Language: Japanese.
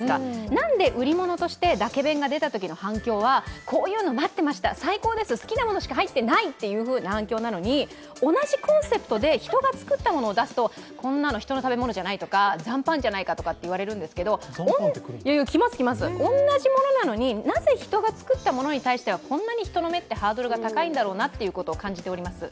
なんで売り物として、だけ弁が出たときの反響は、こういうの待ってました、最高です、好きなものしか入ってないという反響なのに同じコンセプトで人が作ったものを出すとこんなの人の食べ物じゃないとか、残飯じゃないかと言われるんですけど、同じものなのに、なぜ人が作ったものに対してはこんなに人の目ってハードルが高いんだろうなということを感じております。